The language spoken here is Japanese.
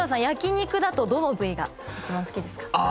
焼き肉だとどの部位が一番好きですか？